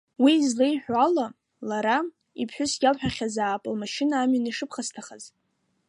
Уи излеиҳәо ала, лара, иԥҳәыс, иалҳәахьазаап лмашьына амҩан ишыԥхасҭахаз.